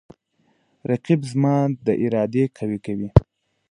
رقیب زما د ارادې قوی کوي